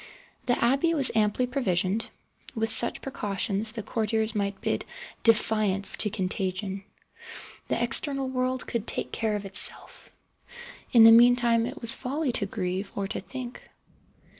The abbey was amply provisioned. With such precautions the courtiers might bid defiance to contagion. The external world could take care of itself. In the meantime it was folly to grieve, or to think.